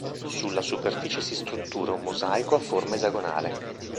Sulla superficie si struttura un mosaico a forma esagonale.